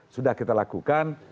sudah kita lakukan